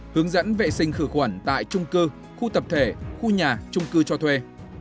hướng dẫn vệ sinh khử khuẩn tại trung cư khu tập thể khu nhà trung cư cho thuê